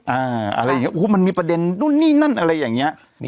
อ่าอะไรอย่างเงี้ยมันมีประเด็นนู่นนี่นั่นอะไรอย่างเงี้ย